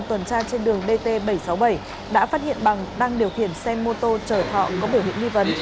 tuần tra trên đường dt bảy trăm sáu mươi bảy đã phát hiện bằng đang điều khiển xe mô tô chở thọ có biểu hiện nghi vấn